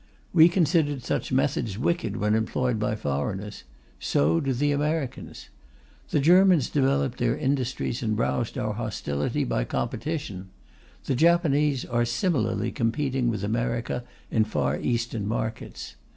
We considered such methods wicked when employed by foreigners; so do the Americans. The Germans developed their industries and roused our hostility by competition; the Japanese are similarly competing with America in Far Eastern markets.